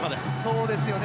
そうですよね。